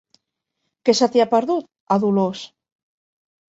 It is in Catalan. Què se t'hi ha perdut, a Dolors?